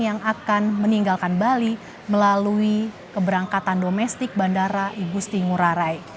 yang akan meninggalkan bali melalui keberangkatan domestik bandara igusti ngurah rai